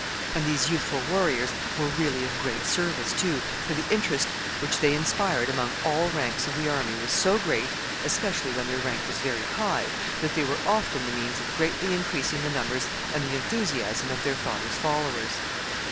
And these youthful warriors were really of great service too, for the interest which they inspired among all ranks of the army was so great, especially when their rank was very high, that they were often the means of greatly increasing the numbers and the enthusiasm of their fathers' followers.